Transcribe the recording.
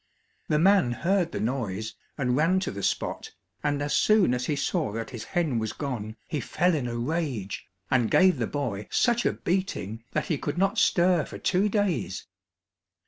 The man heard the noise, and ran to the spot, and as soon as he saw that his hen was gone, he fell in a rage, and gave the boy such a beating that he could not stir for two days.